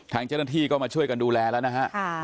ทางเจ้าหน้าที่ก็มาช่วยกันดูแลแล้วนะฮะ